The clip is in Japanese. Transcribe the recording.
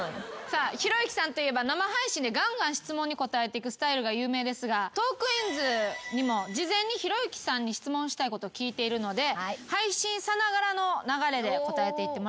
さあひろゆきさんといえば生配信でガンガン質問に答えてくスタイルが有名ですが『トークィーンズ』にも事前にひろゆきさんに質問したいこと聞いているので配信さながらの流れで答えていってもらいましょう。